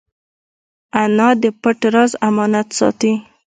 انا د پټ راز امانت ساتي